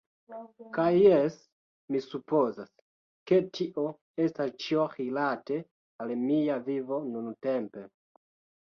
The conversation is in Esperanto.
Kaj jes, mi supozas, ke tio estas ĉio rilate al mia vivo nuntempe.